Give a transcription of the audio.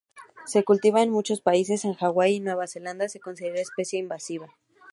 Se cultiva en muchos países, en Hawái y Nueva Zelanda se considera especie invasiva.